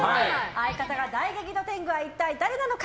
相方が大激怒天狗は一体誰なのか。